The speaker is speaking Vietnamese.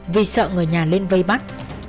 vì sợ người nhà lên vây bắt